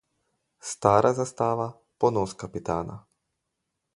Stara zastava – ponos kapitana.